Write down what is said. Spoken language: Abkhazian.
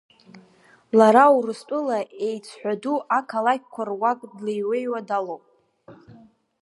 Лара Урыстәыла еиҵҳәа ду ақалақьқәа руак длеи-ҩеиуа далоуп.